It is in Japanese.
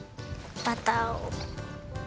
バターを。